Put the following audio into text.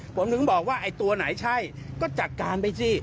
ผมถึงบอกว่าไอ้ตัวไหนใช่ก็จัดการไปสิ